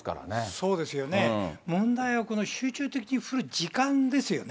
そうですよね、問題はこの集中的に降る時間ですよね。